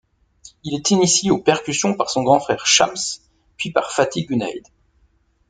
Il est initié aux percussions par son grand frère Shams puis par Fathi Gunayd.